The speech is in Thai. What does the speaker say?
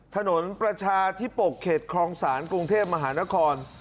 ถนนประชาธิปกเขตครองศาลกรุงเทพมหานคร